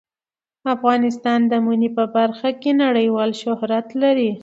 افغانستان د منی په برخه کې نړیوال شهرت لري.